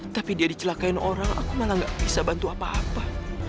tapi dia dicelakaiin orang aku malah gak bisa bantu apa apa